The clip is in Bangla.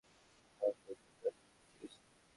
এজন্য, সিথিতে সিঁদুর আর গলায় মঙ্গলসূত্র আছে তো কি হয়েছে।